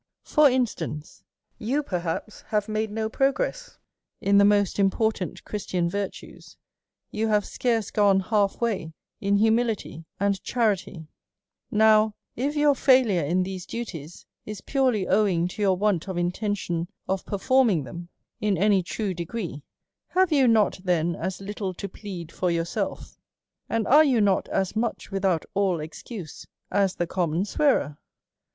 %^^%^' For instance, you perhaps have made no progress ii^ 'iici^^ the most important Christian virtues, you have •^carce gone half way in humility and charity ; now, if 'your failure in these duties is purely owing to your " nvant of intention of performing them in any true de ■r/ \\AA, DEVOUT AND HOLY LIFE. 21 gree, have you not then as little to plead for yourself, and are you not as much without all excuse^ as the common swearer